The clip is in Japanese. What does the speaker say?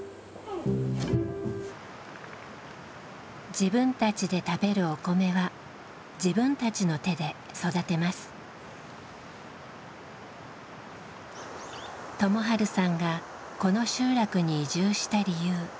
自分たちで食べるお米は自分たちの手で育てます友治さんがこの集落に移住した理由。